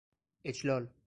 اِجلال